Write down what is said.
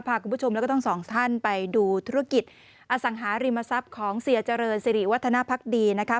พาคุณผู้ชมแล้วก็ทั้งสองท่านไปดูธุรกิจอสังหาริมทรัพย์ของเสียเจริญสิริวัฒนภักดีนะคะ